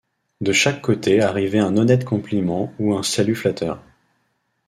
De chaque côté arrivait un honnête compliment ou un salut flatteur.